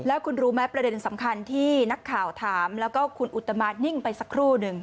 แล้วคุณรู้ไหมประเด็นสำคัญที่นักข่าวถามแล้วก็คุณอุตมานิ่งไปสักครู่หนึ่ง